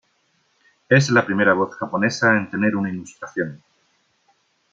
Es la primera voz japonesa en tener una ilustración.